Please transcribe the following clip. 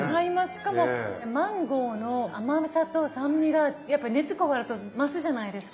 しかもマンゴーの甘さと酸味がやっぱり熱加わると増すじゃないですか。